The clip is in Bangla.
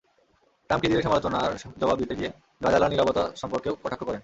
ট্রাম্প খিজিরের সমালোচনার জবাব দিতে গিয়ে গাজালার নীরবতা সম্পর্কেও কটাক্ষ করেন।